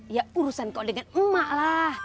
ya urusan kau dengan emak lah